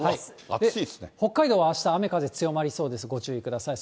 北海道はあした、雨、風強まりそうです、ご注意ください。